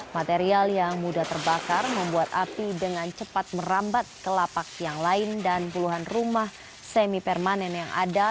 material yang mudah terbakar membuat api dengan cepat merambat ke lapak yang lain dan puluhan rumah semi permanen yang ada